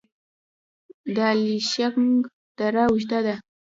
د الیشنګ دره اوږده ده